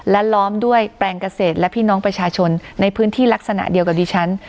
และล้อมด้วยแปลงเกษตรและพี่น้องประชาชนในพื้นที่ลักษณะเดียวกับดิฉัน